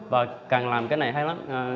và càng làm cái này hay lắm